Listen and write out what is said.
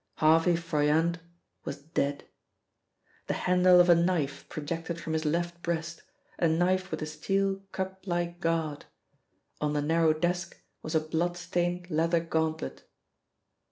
Harvey Froyant was dead. The handle of a knife projected from his left breast, a knife with a steel cup like guard. On the narrow desk was a blood stained leather gauntlet.